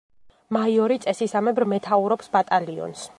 მაიორი წესისამებრ მეთაურობს ბატალიონს.